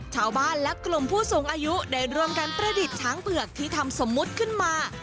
ชาวบ้านและกลุ่มผู้สูงอายุได้ร่วมกันประดิษฐ์ช้างเผือกที่ทำสมมุติขึ้นมา